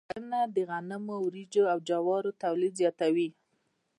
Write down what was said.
کرنه د غنمو، وريجو، او جوارو تولید زیاتوي.